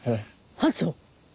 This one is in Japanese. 班長！